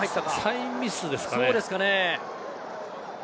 サインミスですね。